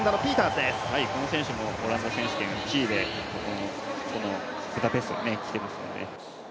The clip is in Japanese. この選手もオランダ選手権１位で、このブダペストに来ているので。